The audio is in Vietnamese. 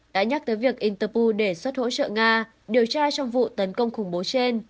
đã nhắc tới việc interpu đề xuất hỗ trợ nga điều tra trong vụ tấn công khủng bố trên